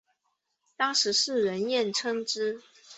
当时世人艳称之。